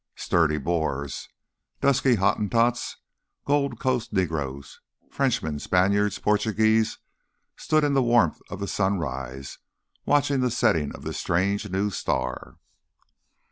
Sturdy Boers, dusky Hottentots, Gold Coast negroes, Frenchmen, Spaniards, Portuguese, stood in the warmth of the sunrise watching the setting of this strange new star.